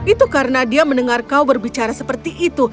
itu karena dia mendengar kau berbicara seperti itu